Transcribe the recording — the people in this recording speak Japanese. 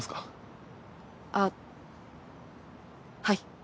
はい。